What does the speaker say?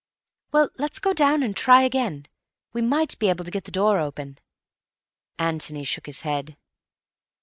"Well, let's go down and try again. We might be able to get the door open." Antony shook his head.